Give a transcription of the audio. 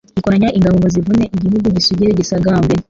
ikoranya ingabo ngo zivune igihugu gisugire gisagambe.